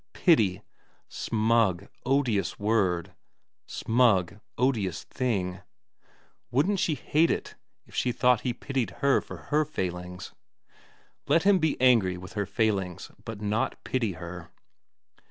Pity ! Smug, odious word ; smug, odious thing. Wouldn't she hate it if she thought he pitied her for her failings ? Let him be angry with her failings, but not pity her.